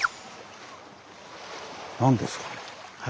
何ですか？